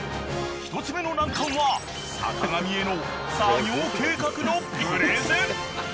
［１つ目の難関は坂上への作業計画のプレゼン］